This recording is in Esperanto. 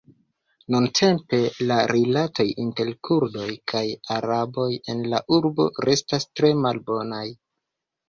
Nuntempe la rilatoj inter Kurdoj kaj Araboj en la urbo restas tre malbonaj.